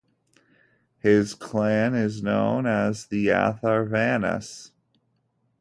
His clan is known as the Atharvanas.